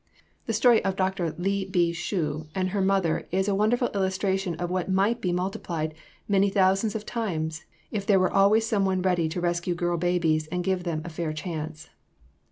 The story of Dr. Li Bi Cu and her mother is a wonderful illustration of what might be multiplied many thousands of times if there were always some one ready to rescue girl babies and to give them a fair chance.